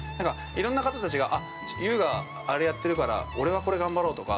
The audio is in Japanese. いろんな方たちが優があれやってるから俺はこれ頑張ろうとか。